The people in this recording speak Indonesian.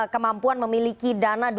kemampuan memiliki dana